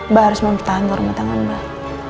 mbak harus mau bertahan di rumah tangga mbak